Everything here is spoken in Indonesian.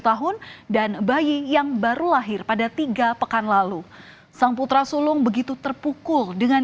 tahun dan bayi yang baru lahir pada tiga pekan lalu sang putra sulung begitu terpukul dengan